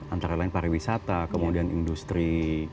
antara lain pariwisata kemudian industri